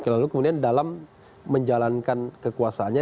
lalu kemudian dalam menjalankan kekuasaannya